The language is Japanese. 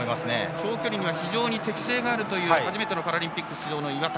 長距離には非常に適性があるという初めてのパラリンピック出場の岩田。